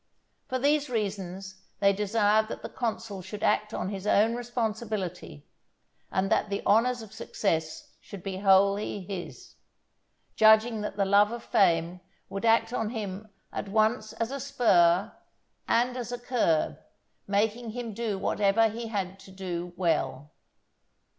For these reasons they desired that the consul should act on his own responsibility, and that the honours of success should be wholly his; judging that the love of fame would act on him at once as a spur and as a curb, making him do whatever he had to do well.